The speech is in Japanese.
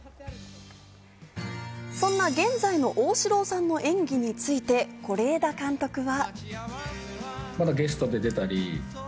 そんな現在の旺志郎さんの演技について是枝監督は。